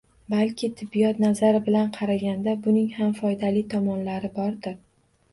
Balki tibbiyot nazari bilan qaraganda, buning ham foydali tomonlari bordir